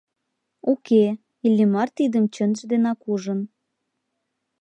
Уке, Иллимар тидым чынже денак ужын!